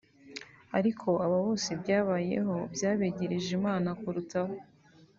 ariko aba bose byabayeho byabegereje Imana kurutaho